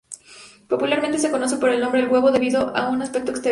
Popularmente, se conoce por el nombre "el huevo" debido a su aspecto exterior.